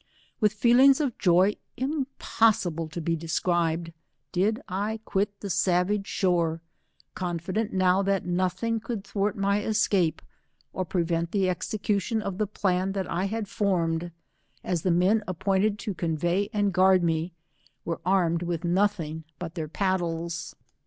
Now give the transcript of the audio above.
With feelings of joy impossible to be described, did I quit the savage shore, confident now that nothing could thwart my escape, or prevent the exejcution of the plan that I had formed, as the nrien appointed to convey and gaard me, were armed with nothing but their pad dles.